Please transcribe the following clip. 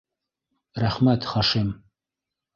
Рәхмәт, Хашим...